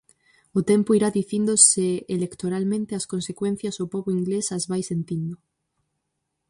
O tempo irá dicindo se electoralmente as consecuencias o pobo inglés as vai sentindo.